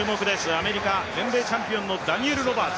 アメリカ、全米チャンピオンのダニエル・ロバーツ。